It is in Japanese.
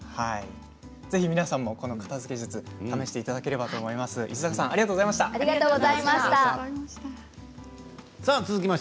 ぜひ皆さんもこの片づけ術試していただければと思います。